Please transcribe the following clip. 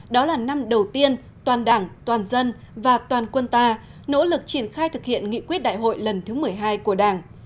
đó là năm đầu tiên toàn đảng toàn dân và toàn quân ta nỗ lực triển khai thực hiện nghị quyết đại hội lần thứ một mươi hai của đảng